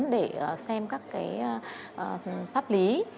để xem các pháp lý